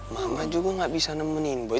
mama juga enggak bisa nemenin boy